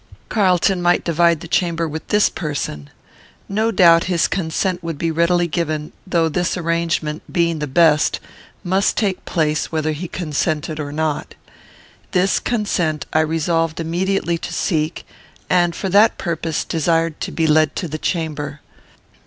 Carlton might divide the chamber with this person. No doubt his consent would be readily given; though this arrangement, being the best, must take place whether he consented or not. This consent I resolved immediately to seek, and, for that purpose, desired to be led to the chamber.